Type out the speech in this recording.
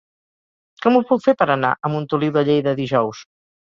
Com ho puc fer per anar a Montoliu de Lleida dijous?